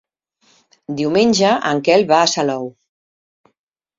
Diumenge en Quel va a Salou.